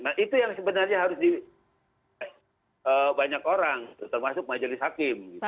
nah itu yang sebenarnya harus di banyak orang termasuk majelis hakim